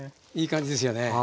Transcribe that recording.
いい感じですよね。